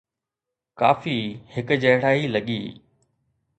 ڪافي هڪجهڙائي لڳي.